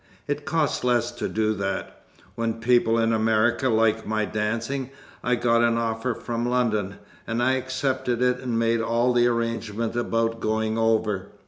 It costs less to do that. When people in America liked my dancing I got an offer from London, and I accepted it and made all the arrangements about going over.